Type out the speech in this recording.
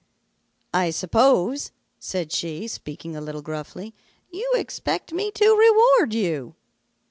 "'I suppose,' said she, speaking a little gruffly, 'you expect me to reward you.'